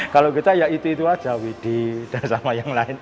kalau kita ya itu itu aja widhi dan sama yang lain